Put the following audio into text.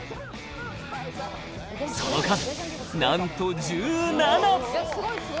その数、なんと１７！